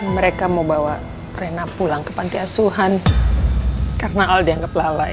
mereka mau bawa rena pulang ke panti asuhan karena al dianggap lalai